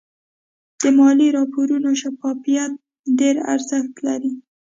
د مالي راپورونو شفافیت ډېر ارزښت لري.